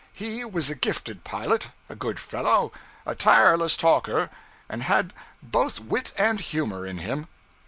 He was a gifted pilot, a good fellow, a tireless talker, and had both wit and humor in him.